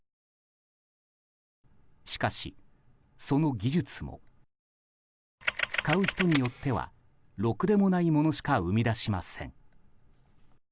しかし、その技術も使う人によってはろくでもないものしか生み出しません。